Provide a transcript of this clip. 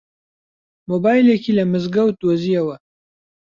مۆبایلێکی لە مزگەوت دۆزییەوە.